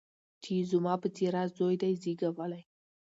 چي یې زما په څېره زوی دی زېږولی